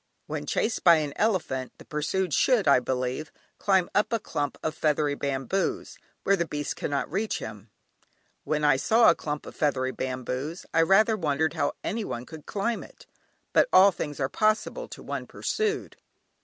When chased by an elephant the pursued should, I believe, climb up a clump of feathery bamboos, where the beast cannot reach him. When I saw a clump of feathery bamboos I rather wondered how anyone could climb it; but all things are possible to one pursued.